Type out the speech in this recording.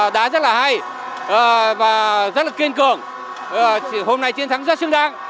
đã rất là hay và rất là kiên cường hôm nay chiến thắng rất xứng đáng